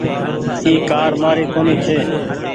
اي ڪآر مآري ڪونيٚ ڇي۔